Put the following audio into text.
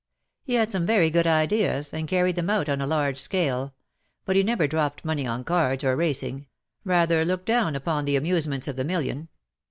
He had some very good ideas, and carried them out on a large scale — but he never dropped money on cards, or racing — rather looked down upon the amuse ments of the million.